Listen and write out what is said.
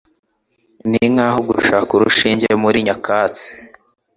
Ninkaho gushaka urushinge muri nyakatsi.